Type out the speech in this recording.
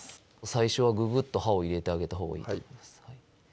最初はググッと刃を入れてあげたほうがいいと思います